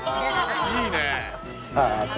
いいね！